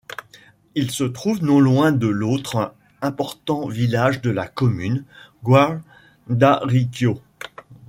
Il se trouve non loin de l'autre important village de la commune, Gualdariccio.